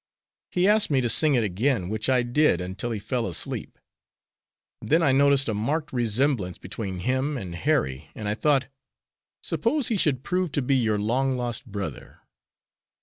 He asked me to sing it again, which I did, until he fell asleep. Then I noticed a marked resemblance between him and Harry, and I thought, 'Suppose he should prove to be your long lost brother?'